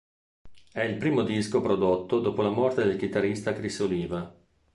È il primo disco prodotto dopo la morte del chitarrista Criss Oliva.